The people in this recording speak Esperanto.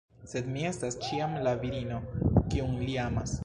Sed mi estas ĉiam la virino, kiun li amas.